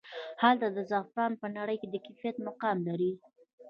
د هرات زعفران په نړۍ کې د کیفیت مقام لري